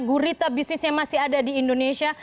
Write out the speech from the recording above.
gurita bisnisnya masih ada di indonesia